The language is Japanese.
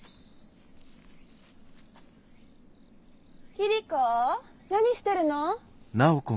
・桐子何してるの？